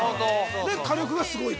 ◆火力がすごいと。